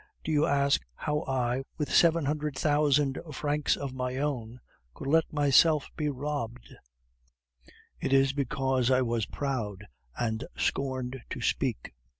Do you ask how I, with seven hundred thousand francs of my own, could let myself be robbed? It is because I was proud, and scorned to speak.